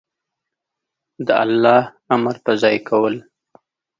د الله امر په ځای کول